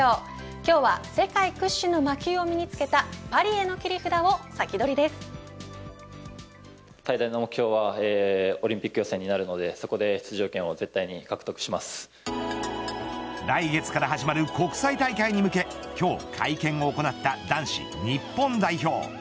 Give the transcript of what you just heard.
今日は世界屈指の魔球を身につけたパリへの来月から始まる国際大会に向け今日、会見を行った男子日本代表。